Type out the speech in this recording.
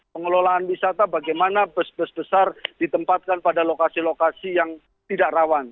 pengelolaan wisata bagaimana bus bus besar ditempatkan pada lokasi lokasi yang tidak rawan